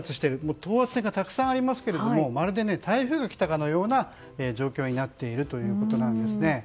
等圧線がたくさんありますけどまるで台風が来たかのような状況になっているということなんです。